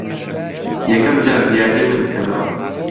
یەکەم جار دیاریی من بکەنەوە.